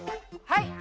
はい。